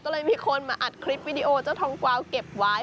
ก็เลยมีคนมาอัดคลิปวิดีโอเจ้าทองกวาวเก็บไว้